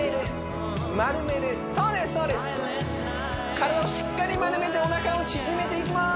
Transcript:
体をしっかり丸めておなかを縮めていきます